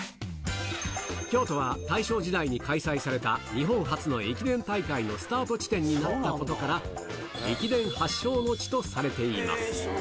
京都は大正時代に開催された、日本初の駅伝大会のスタート地点になったことから、駅伝発祥の地とされています。